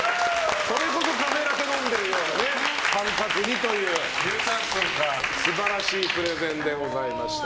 カフェラテ飲んでるかのような感覚にということで素晴らしいプレゼンでございました。